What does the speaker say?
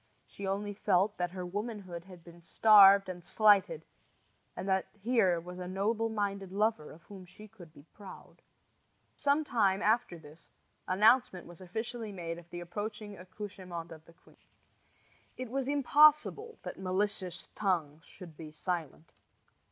She only felt that her womanhood had been starved and slighted, and that here was a noble minded lover of whom she could be proud. Some time after this announcement was officially made of the approaching accouchement of the queen. It was impossible that malicious tongues should be silent.